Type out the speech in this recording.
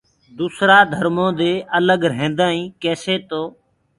دوسرآ ڌرمودي الگ ريهدآئينٚ ڪيسي تو